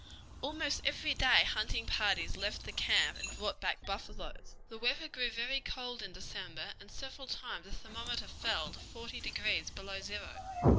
Almost every day hunting parties left the camp and brought back buffaloes. The weather grew very cold in December, and several times the thermometer fell to forty degrees below zero.